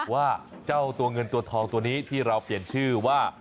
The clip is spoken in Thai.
ว่าเจ้าตัวเงินตัวทองตัวนี้ที่เราเปลี่ยนชื่อว่า